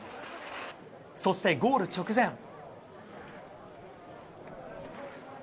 そしてゴール直前。